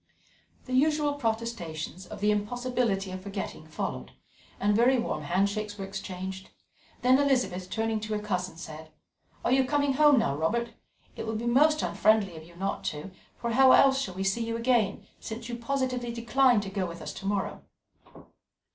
The usual protestations of the impossibility of forgetting followed, and very warm handshakes were exchanged; then Elizabeth, turning to her cousin, said: "Are you coming home now, Robert? It will be most unfriendly of you not to, for how else shall we see you again, since you positively decline to go with us to morrow?"